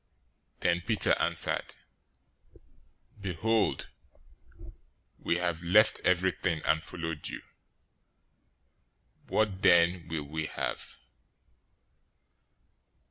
019:027 Then Peter answered, "Behold, we have left everything, and followed you. What then will we have?"